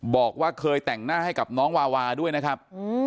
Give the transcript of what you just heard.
บอกว่าเคยแต่งหน้าให้กับน้องวาวาด้วยนะครับ